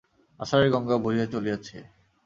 আষাঢ়ের গঙ্গা বহিয়া চলিয়াছে।